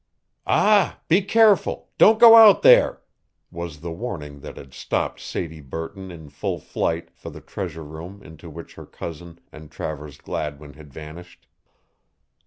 "Ah! Be careful! Don't go out there!" was the warning that had stopped Sadie Burton in full flight for the treasure room into which her cousin and Travers Gladwin had vanished.